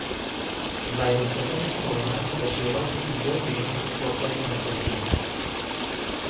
ڤایرۆسەکانی کۆڕۆنا بەشێوازێکی زۆر گرینگ هۆکاری مەترسین.